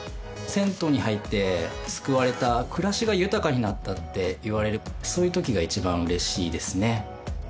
銭湯に入って救われた暮らしが豊かになったっていわれるそういうときが一番嬉しいですね